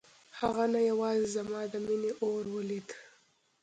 هغه نه یوازې زما د مينې اور ولید.